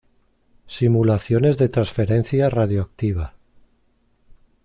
Simulaciones de transferencia radioactiva.